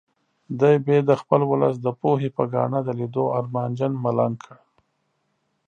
دی یې د خپل ولس د پوهې په ګاڼه د لیدو ارمانجن ملنګ کړ.